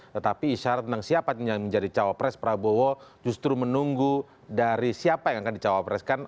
tetapi isyarat tentang siapa yang menjadi cawapres prabowo justru menunggu dari siapa yang akan dicawapreskan